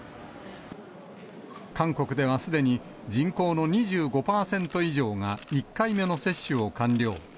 韓国ではすでに、人口の２５％以上が１回目の接種を完了。